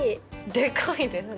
でかいですね。